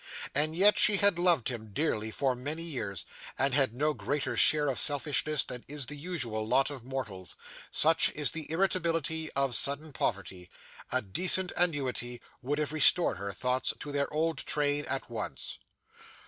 And yet, she had loved him dearly for many years, and had no greater share of selfishness than is the usual lot of mortals. Such is the irritability of sudden poverty. A decent annuity would have restored her thoughts to their old train, at once.